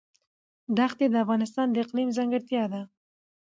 دښتې د افغانستان د اقلیم ځانګړتیا ده.